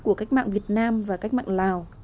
của cách mạng việt nam và cách mạng lào